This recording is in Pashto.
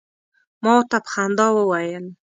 ما ورته په خندا وویل.